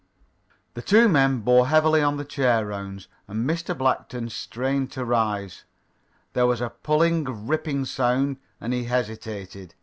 The two men bore heavily on the chair rounds, and Mr. Blackton strained to rise. There was a pulling, ripping sound, and he hesitated.